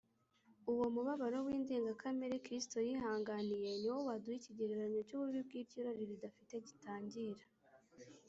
. Uwo mubabaro w’indenga kamere Kristo yihanganiye ni wo waduha ikigereranyo cy’ububi bw’iryo rari ridafite gitangira